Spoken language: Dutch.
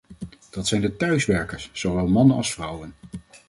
Dat zijn de thuiswerkers, zowel mannen als vrouwen.